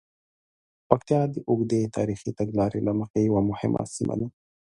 پکتیا د اوږدې تاریخي تګلارې له مخې یوه مهمه سیمه ده.